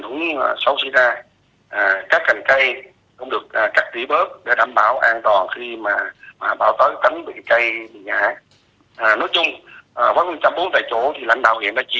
đưa cá vào bờ bớt để đảm bảo giảm bớt thiệt hại